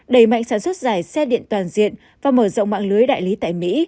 đẩy mạnh sản xuất giải xe điện toàn diện và mở rộng mạng lưới đại lý tại mỹ